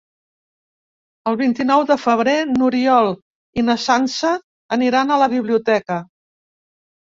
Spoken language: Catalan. El vint-i-nou de febrer n'Oriol i na Sança aniran a la biblioteca.